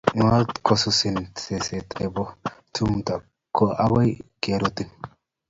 Ngot kosusin seseet nebo tumto, ko akoi kerutiin